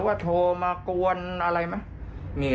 จะขัดแย้งกับร้านไหนหรือเปล่า